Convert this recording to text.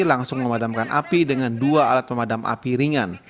langsung memadamkan api dengan dua alat pemadam api ringan